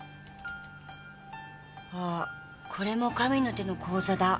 あこれも神の手の口座だ。